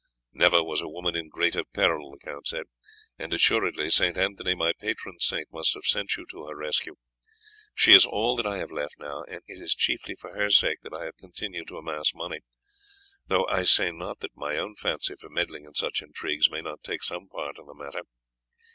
"Never was a woman in greater peril," he said, "and assuredly St. Anthony, my patron saint, must have sent you to her rescue. She is all that I have left now, and it is chiefly for her sake that I have continued to amass money, though I say not that my own fancy for meddling in such intrigues may not take some part in the matter.